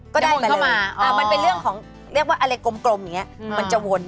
ก็ได้วนเข้ามามันเป็นเรื่องของเรียกว่าอะไรกลมอย่างนี้มันจะวน